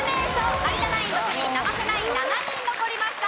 有田ナイン６人生瀬ナイン７人残りました。